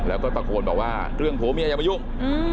แล้วก็ตะโกนบอกว่าเรื่องผัวเมียอย่ามายุ่ง